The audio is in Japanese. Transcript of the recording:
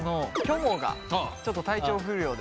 もがちょっと体調不良で。